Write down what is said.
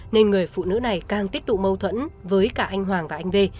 nên người phụ nữ này càng tiếp tục mâu thuẫn với cả anh hoàng và anh vê